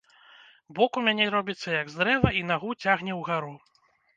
Бок у мяне робіцца як з дрэва і нагу цягне ўгару.